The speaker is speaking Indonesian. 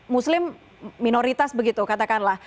minoritas begitu katakanlah